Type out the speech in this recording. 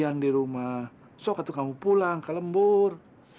kalian di rumah soal ketukangmu pulang kalembur